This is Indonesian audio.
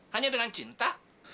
hanya dengan cinta